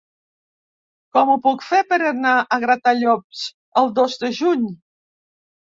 Com ho puc fer per anar a Gratallops el dos de juny?